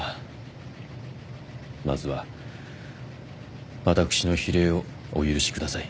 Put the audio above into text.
まずは私の非礼をお許しください。